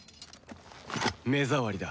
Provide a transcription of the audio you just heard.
目障りだ。